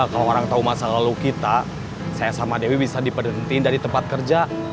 kalau orang tahu masa lalu kita saya sama dewi bisa diperhentikan dari tempat kerja